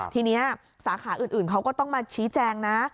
ทีนี้สาขาอื่นเขาก็ต้องมาชี้แจงนะ